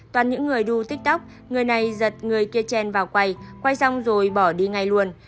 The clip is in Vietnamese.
toàn những người đu tiktok người này giật người kia vào quay xong rồi bỏ đi ngay luôn